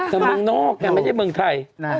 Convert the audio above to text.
แต่เมืองนอกน่ะไม่ได้เมืองไทย